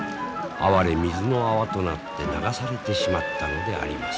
水の泡となって流されてしまったのであります。